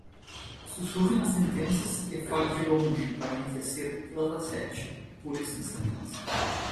Sussurre nas sentenças e fale de longe para enriquecer o dataset, pule esta sentença